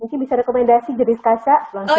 mungkin bisa rekomendasi jenis kaca